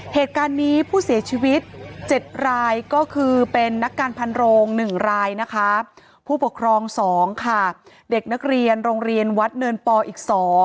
เหตุการณ์นี้ผู้เสียชีวิต๗รายก็คือเป็นนักการพันโรง๑รายนะคะผู้ปกครอง๒ค่ะเด็กนักเรียนโรงเรียนวัดเนินปออีก๒